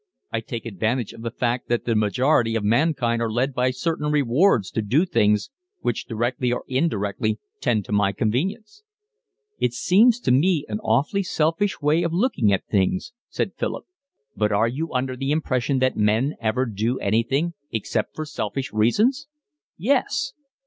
I take advantage of the fact that the majority of mankind are led by certain rewards to do things which directly or indirectly tend to my convenience." "It seems to me an awfully selfish way of looking at things," said Philip. "But are you under the impression that men ever do anything except for selfish reasons?" "Yes."